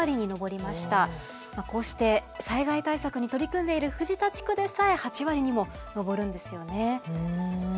こうして災害対策に取り組んでいる藤田地区でさえ８割にも上るんですよね。